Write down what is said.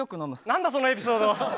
何だ、そのエピソード。